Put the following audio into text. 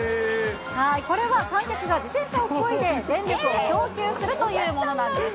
これは観客が自転車をこいで電力を供給するというものなんです。